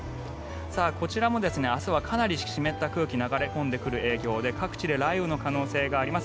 こちらも明日はかなり湿った空気流れ込んでくる影響で各地で雷雨の可能性があります。